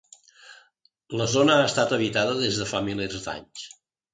La zona ha estat habitada des de fa milers d'anys.